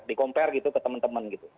di compare gitu ke temen temen gitu